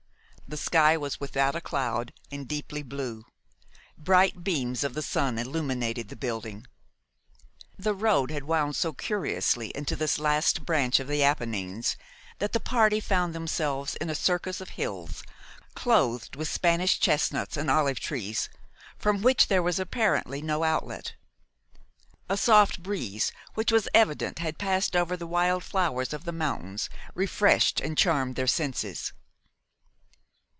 The sky was without a cloud, and deeply blue; bright beams of the sun illuminated the building. The road had wound so curiously into this last branch of the Apennines, that the party found themselves in a circus of hills, clothed with Spanish chestnuts and olive trees, from which there was apparently no outlet. A soft breeze, which it was evident had passed over the wild flowers of the mountains, refreshed and charmed their senses.